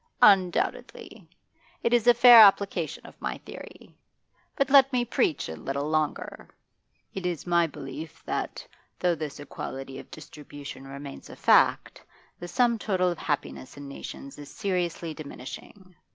'Undoubtedly. It is a fair application of my theory. But let me preach a little longer. It is my belief that, though this equality of distribution remains a fact, the sum total of happiness in nations is seriously diminishing.